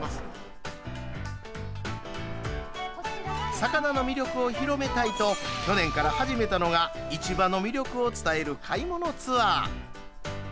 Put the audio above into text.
魚の魅力を広めたいと去年から始めたのが市場の魅力を伝える買い物ツアー。